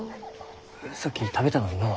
さっき食べたのにのう。